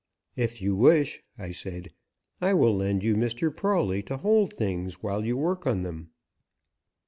"If you wish," I said, "I will lend you Mr. Prawley to hold things while you work on them."